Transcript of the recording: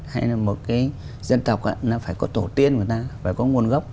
hay là một cái dân tộc phải có tổ tiên của người ta phải có nguồn gốc